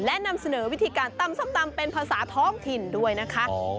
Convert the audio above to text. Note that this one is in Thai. และนำเสนอวิธีการตำส้มตำเป็นภาษาท้องถิ่นด้วยนะคะ